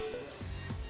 ya terima kasih